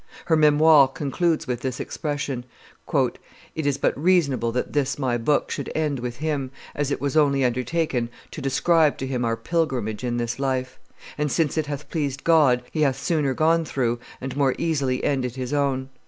Her Memoires concludes with this expression: "It is but reasonable that this my book should end with him, as it was only undertaken to describe to him our pilgrimage in this life. And, since it hath pleased God, he hath sooner gone through, and more easily ended his own.